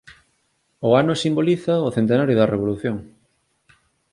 O ano simboliza o centenario da Revolución